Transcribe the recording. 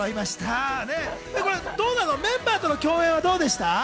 メンバーとの共演はいかがでした？